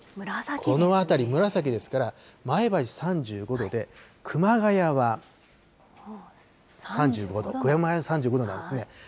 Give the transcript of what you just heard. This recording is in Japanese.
この辺り、紫ですから前橋３５度で、熊谷は３５度、熊谷は３５度なんですね。